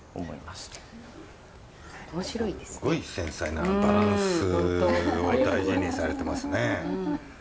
すごい繊細なバランスを大事にされてますね。